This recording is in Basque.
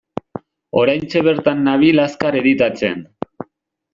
Oraintxe bertan nabil azkar editatzen.